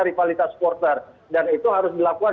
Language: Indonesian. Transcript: rivalitas supporter dan itu harus dilakukan